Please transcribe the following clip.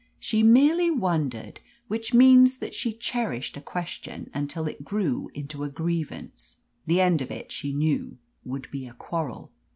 She merely wondered, which means that she cherished a question until it grew into a grievance. The end of it she knew would be a quarrel.